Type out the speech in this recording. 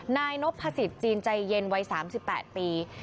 นายนพสิทธิ์จีนใจเย็นวัย๓๘ปี